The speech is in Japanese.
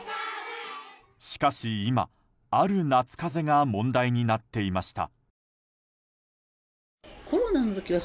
しかし今、ある夏風邪が問題になっていました。